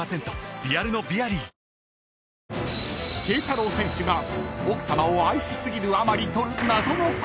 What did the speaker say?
［Ｋ太郎選手が奥さまを愛しすぎるあまりとる］